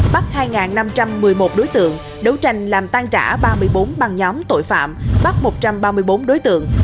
bắt hai năm trăm một mươi một đối tượng đấu tranh làm tan trả ba mươi bốn băng nhóm tội phạm bắt một trăm ba mươi bốn đối tượng